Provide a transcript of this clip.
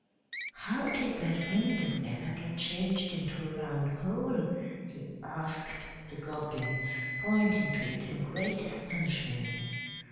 "How did that window ever get changed into a round hole?" he asked the Goblin, pointing to it in great astonishment.